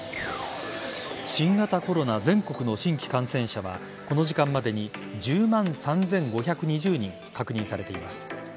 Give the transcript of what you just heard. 新型コロナ全国の新規感染者はこの時間までに１０万３５２０人確認されています。